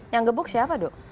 yang gebuk siapa do